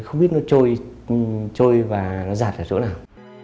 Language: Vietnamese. trôi trôi trôi và nó giặt ở chỗ nào